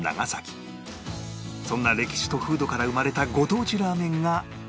そんな歴史と風土から生まれたご当地ラーメンが